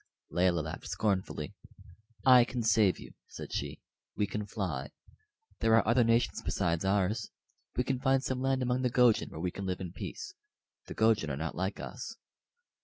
Layelah laughed scornfully. "I can save you," said she. "We can fly. There are other nations beside ours. We can find some land among the Gojin where we can live in peace. The Gojin are not like us."